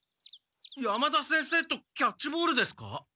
山田先生とキャッチボールですか？